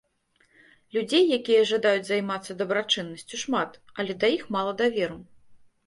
Людзей, якія жадаюць займацца дабрачыннасцю, шмат, але да іх мала даверу.